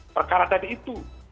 perkara tadi itu